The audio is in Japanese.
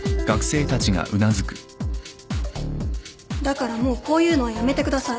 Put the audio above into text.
だからもうこういうのはやめてください。